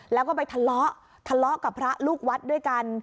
แล้วก็ไปทะเลาะทะเลาะกับพระลูกวัดด้วยกัน